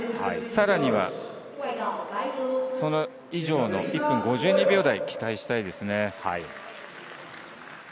さらにそれ以上の１分５２秒台を期待したいですね。